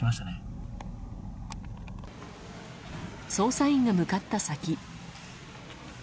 捜査員が向かった先。